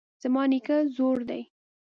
زما نیکه زوړ دی